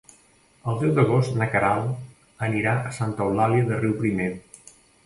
El deu d'agost na Queralt anirà a Santa Eulàlia de Riuprimer.